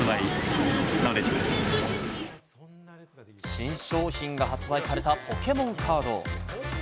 新商品が発売されたポケモンカード。